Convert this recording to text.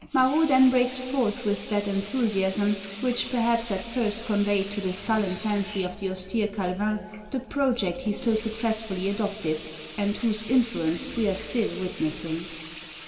Marot then breaks forth with that enthusiasm, which perhaps at first conveyed to the sullen fancy of the austere Calvin the project he so successfully adopted, and whose influence we are still witnessing.